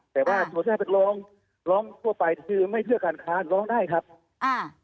แต่ว่าตัวถ้าเป็นร้องร้องทั่วไปคือไม่เชื่อการค้าร้องได้ครับอ่า